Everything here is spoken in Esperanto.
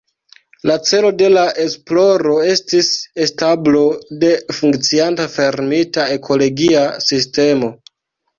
La celo de la esploro estis establo de funkcianta fermita ekologia sistemo.